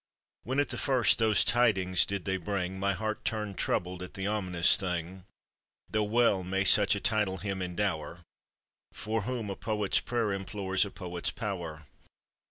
When at the first those tidings did they bring, My heart turned troubled at the ominous thing: Though well may such a title him endower, For whom a poet's prayer implores a poet's power.